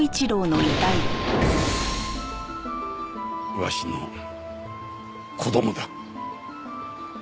わしの子供だ。